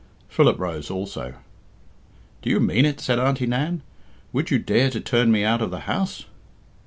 Philip rose also. "Do you mean it?" said Auntie Nan. "Would you dare to turn me out of the house?"